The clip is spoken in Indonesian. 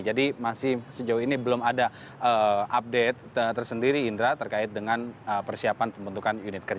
jadi masih sejauh ini belum ada update tersendiri indra terkait dengan persiapan pembentukan